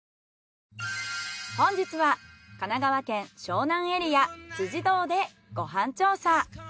本日は神奈川県湘南エリア堂でご飯調査。